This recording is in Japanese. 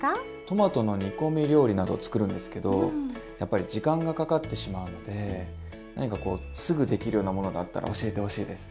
トマトの煮込み料理など作るんですけどやっぱり時間がかかってしまうので何かこうすぐできるようなものがあったら教えてほしいです。